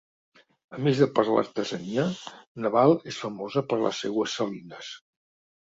A més de per l'artesania, Naval és famosa per les seues salines.